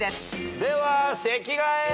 では席替え！